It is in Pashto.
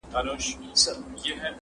زه لکه نغمه درسره ورک سمه!!